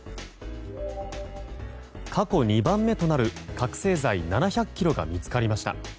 過去２番目となる覚醒剤７００ｋｇが見つかりました。